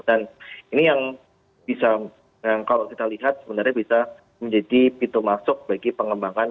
dan ini yang bisa yang kalau kita lihat sebenarnya bisa menjadi pintu masuk bagi pengembangan